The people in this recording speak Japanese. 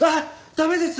駄目です。